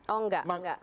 oh enggak enggak